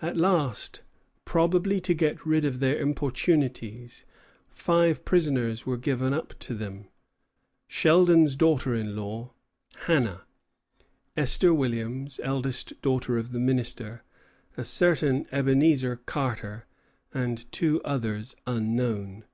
At last, probably to get rid of their importunities, five prisoners were given up to them, Sheldon's daughter in law, Hannah; Esther Williams, eldest daughter of the minister; a certain Ebenezer Carter; and two others unknown.